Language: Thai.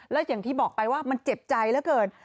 แล้วอย่างที่บอกไปว่ามันเจ็บใจเหลือเกิน